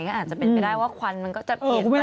ก็อาจจะเป็นไปได้ว่าควันมันก็จะเปลี่ยนแปลง